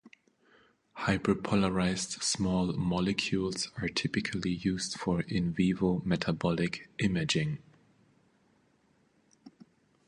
Hyperpolarized small molecules are typically used for invivo metabolic imaging.